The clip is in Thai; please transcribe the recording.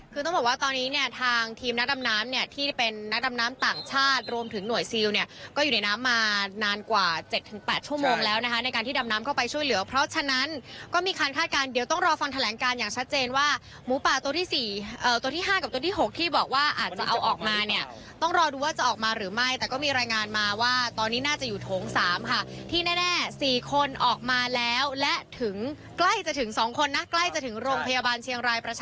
คือต้องบอกว่าตอนนี้เนี่ยทางทีมนักดำน้ำเนี่ยที่เป็นนักดำน้ำต่างชาติรวมถึงหน่วยซีลเนี่ยก็อยู่ในน้ำมานานกว่า๗๘ชั่วโมงแล้วนะคะในการที่ดำน้ำเข้าไปช่วยเหลือเพราะฉะนั้นก็มีคันคาดการณ์เดียวต้องรอฟังแถลงการอย่างชัดเจนว่าหมูป่าตัวที่๔ตัวที่๕กับตัวที่๖ที่บอกว่าอาจจะเอาออกมาเนี่